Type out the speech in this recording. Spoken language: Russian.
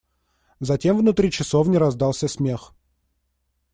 Затем внутри часовни раздался смех.